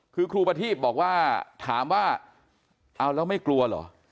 คือครูประทีบบอกว่าถามว่าเอาแล้วไม่กลัวเหรอ